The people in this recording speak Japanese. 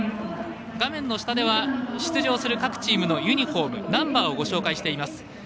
画面の下では出場する各チームのユニフォームナンバーをご紹介しています。